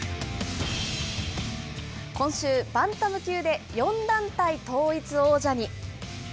今週、バンタム級で４団体統一王者に。